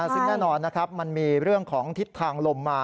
ซึ่งแน่นอนนะครับมันมีเรื่องของทิศทางลมมา